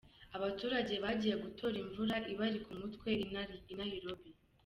Abaturage bagiye gutora imvura ibari ku mutwe, i Nairobi.